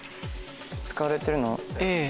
使われてるのは。